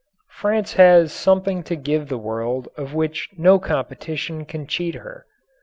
France has something to give the world of which no competition can cheat her.